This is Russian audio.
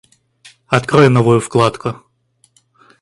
Открой новую вкладку